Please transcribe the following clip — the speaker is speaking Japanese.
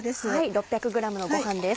６００ｇのごはんです。